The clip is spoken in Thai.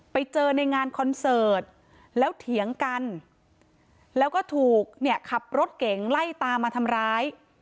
ไปเจอในงานคอนเสิร์ตแล้วเถียงกันแล้วก็ถูกเนี่ยขับรถเก๋งไล่ตามมาทำร้าย